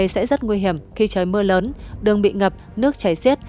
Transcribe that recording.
sẽ rất nguy hiểm khi trời mưa lớn đường bị ngập nước chảy xiết